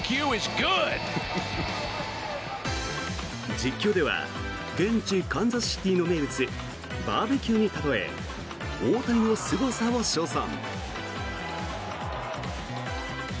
実況では現地カンザスシティーの名物バーベキューに例え大谷のすごさを称賛。